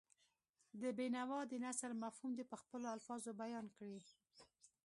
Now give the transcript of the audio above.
د بېنوا د نثر مفهوم دې په خپلو الفاظو بیان کړي.